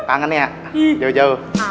kangen ya jauh jauh